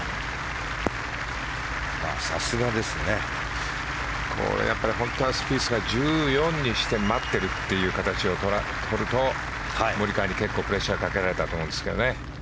さすがですね。これは本当はスピースが１４にして待っているっていう形を取るとモリカワに結構プレッシャーをかけられたと思うんですけどね。